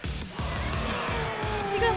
違う！